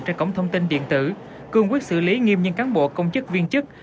trên cổng thông tin điện tử cương quyết xử lý nghiêm những cán bộ công chức viên chức